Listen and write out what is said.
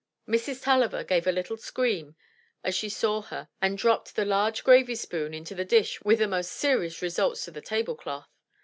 Mrs. Tulliver gave a little scream as she saw her and dropped the large gravy spoon into the dish with the most serious results to the table cloth.